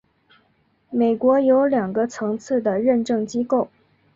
美国有两个层次的认证机构。